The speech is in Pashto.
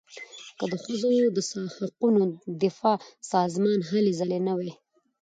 که د ښځو له حقونو دفاع سازمان هلې ځلې نه وای.